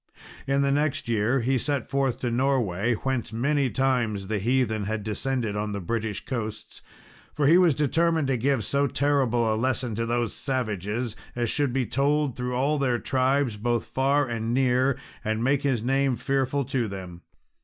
In the next year he set forth to Norway, whence many times the heathen had descended on the British coasts; for he was determined to give so terrible a lesson to those savages as should be told through all their tribes both far and near, and make his name fearful to them.